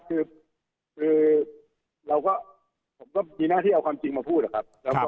คือเราก็ผมก็มีหน้าที่เอาความจริงมาพูดนะครับ